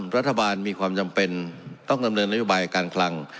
รัฐบาลมีความจำเป็นต้องดำเนินนโยบายการคลัง